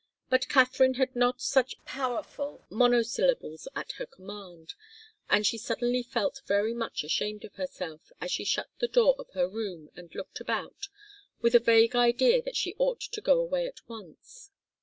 But Katharine had not such powerful monosyllables at her command, and she suddenly felt very much ashamed of herself, as she shut the door of her room and looked about, with a vague idea that she ought to go away at once.